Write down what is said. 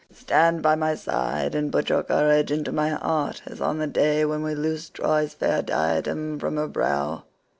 Stand by my side and put your courage into my heart as on the day when we loosed Troy's fair diadem from her brow.